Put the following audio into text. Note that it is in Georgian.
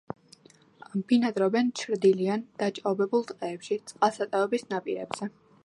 ბინადრობენ ჩრდილიან, დაჭაობებულ ტყეებში, წყალსატევების ნაპირებზე.